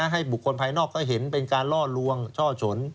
ให้บุคคลภายนอกก็เห็นเป็นการล่อลวงช่อฉน